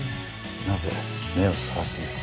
なぜ目をそらすんです？